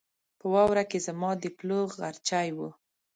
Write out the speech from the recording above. په واوره کې زما د پلوو غرچی و